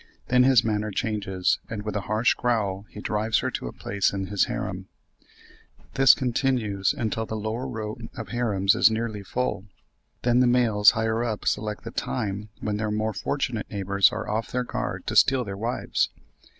Then his manner changes, and with a harsh growl he drives her to a place in his harem. This continues until the lower row of harems is nearly full. Then the males higher up select the time when their more fortunate neighbours are off their guard to steal their wives.